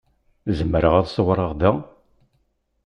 Zemreɣ ad ṣewwreɣ da?